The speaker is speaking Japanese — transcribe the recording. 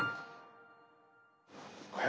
おや？